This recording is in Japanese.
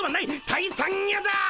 「退散や」だ！